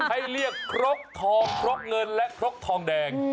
ให้เรียกครกทองครกเงินและครกทองแดง